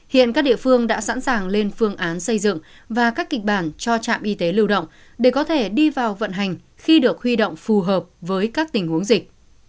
hiện các địa phương đã sẵn sàng lên phương án xây dựng và các kịch bản cho trạm y tế lưu động để có thể đi vào vận hành khi được huy động phù hợp với các tình huống dịch